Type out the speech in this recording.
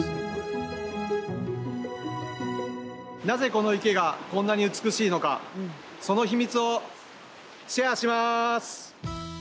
なぜこの池がこんなに美しいのかその秘密をシェアします！